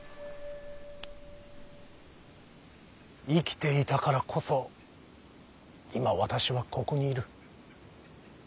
生きていたからこそ今私はここにいる。